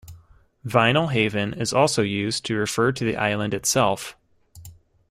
Vinalhaven is also used to refer to the Island itself.